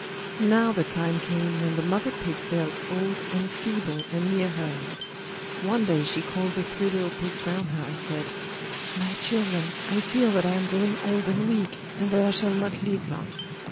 Now the time came when the mother pig felt old and feeble and near her end. One day she called the three little pigs round her and said: 'My children, I feel that I am growing odd and weak, and that I shall not live long.